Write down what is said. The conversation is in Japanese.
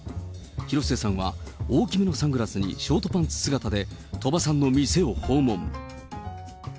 広末さんは大きめのサングラスにショートパンツ姿で鳥羽さんの店を訪問。